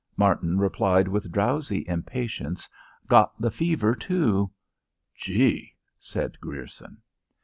Martin replied with drowsy impatience. "Got the fever too." "Gee!" said Grierson.